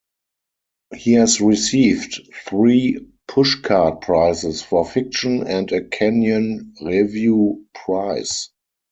He has received three Pushcart Prizes for fiction and a Kenyon Review Prize.